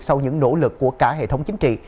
sau những nỗ lực của cả hệ thống chính trị